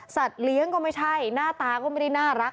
เลี้ยงก็ไม่ใช่หน้าตาก็ไม่ได้น่ารัก